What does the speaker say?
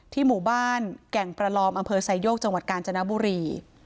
ที่หมู่บ้านแก่งประลอมอสัยโยคจกาญจนบุรี